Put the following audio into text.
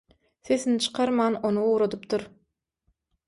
sеsini çykarman оny ugradypdyr.